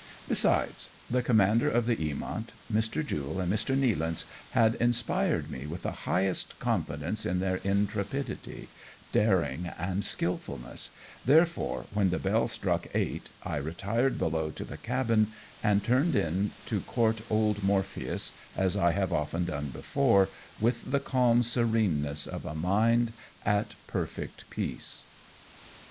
Besides, the commander of the Eamont, Mr. Jule and Mr. JN^ealance had inspired me with the highest confidence in their intrepidity, daring and skilfulness, therefore, when the bell struck eightj I retired below to the cabin, and turned in to court old Morpheus, as I have often done before, with the calm sereneness of a mind at perfect peace.